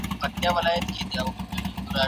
اتیا میلیونه وګړي په دې ژبه خبرې کوي.